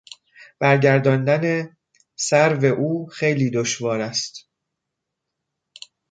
برگرداندن سرو او خیلی دشوار است.